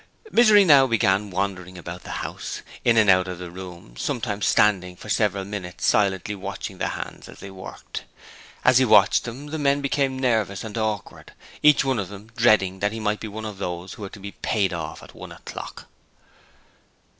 Misery now began wandering about the house, in and out of the rooms, sometimes standing for several minutes silently watching the hands as they worked. As he watched them the men became nervous and awkward, each one dreading that he might be one of those who were to be paid off at one o'clock.